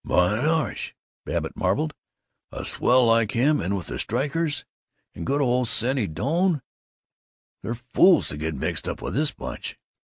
"Why, gosh," Babbitt marveled, "a swell like him in with the strikers? And good ole Senny Doane! They're fools to get mixed up with this bunch.